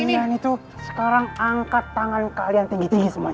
kalian itu sekarang angkat tangan kalian tinggi tinggi semuanya